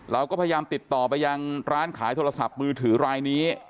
เราก็พยายามติดต่อไปยังร้านขายโทรศัพท์มือถือรายนี้